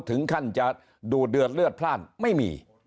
ถึงขั้นจะดูเดือดเลือดพลาดไม่มี